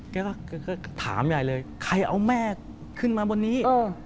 แกก็ถามยายเลยใครเอาแม่ขึ้นมาบนนี้